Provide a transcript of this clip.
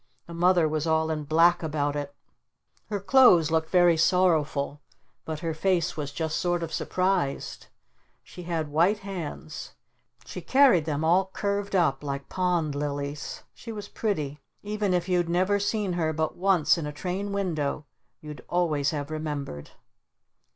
The Mother was all in black about it. Her clothes looked very sorrowful. But her face was just sort of surprised. She had white hands. She carried them all curved up like pond lilies. She was pretty. Even if you'd never seen her but once in a train window you'd always have remembered.